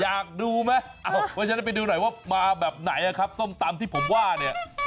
อยากดูไหมเพราะฉะนั้นไปดูหน่อยว่ามาแบบไหนครับส้มตำที่ผมว่าเนี่ย